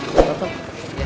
sudah kerja mas